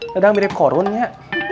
sedang mirip korunnya